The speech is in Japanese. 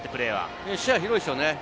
視野が広いですよね。